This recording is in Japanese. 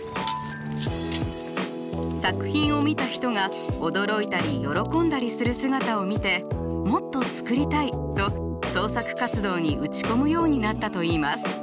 作品を見た人が驚いたり喜んだりする姿を見てもっと作りたいと創作活動に打ち込むようになったと言います。